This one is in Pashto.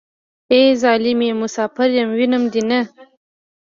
ای ظالمې مسافر يم وينم دې نه.